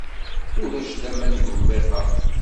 Ulac laman deg umḍiq-a.